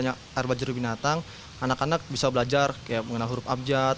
karena ada benda yang ar belajar binatang anak anak bisa belajar mengenal huruf abjad